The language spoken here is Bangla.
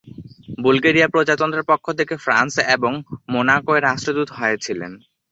বুলগেরিয়া প্রজাতন্ত্রের পক্ষ থেকে ফ্রান্স এবং মোনাকোয় রাষ্ট্রদূত হয়েছিলেন।